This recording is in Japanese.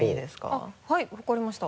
あっはい分かりました。